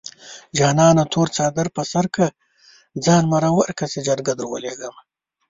جانانه تور څادر په سر کړه ځان مرور کړه چې جرګه دروليږمه